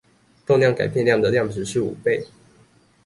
動量改變量的量值是五倍